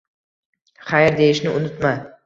«Xayr!» deyishni unutma